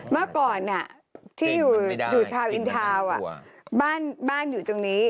เมื่อก่อนที่อยู่ชาวอินทาวน์บ้านอยู่ตรงนี้